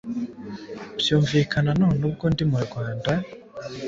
byakumvikana none ubwo ndi mu Rwanda